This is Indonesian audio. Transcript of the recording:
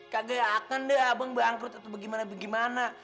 kagak akan deh abang bangkrut atau bagaimana bagaimana